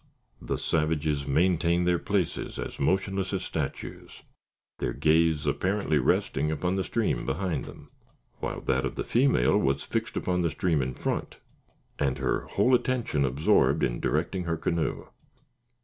The savages maintained their places as motionless as statues, their gaze apparently resting upon the stream behind them; while that of the female was fixed upon the stream in front, and her whole attention absorbed in directing her canoe.